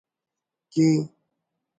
کے